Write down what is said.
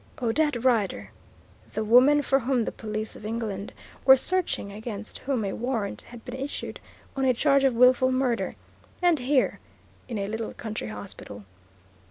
Odette Rider! The woman for whom the police of England were searching, against whom a warrant had been issued on a charge of wilful murder and here, in a little country hospital.